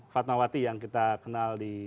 fatmawati yang kita kenal di